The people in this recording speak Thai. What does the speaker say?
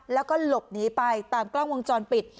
แล้วก็หลบหนีไปตามกล้องวงจรปิด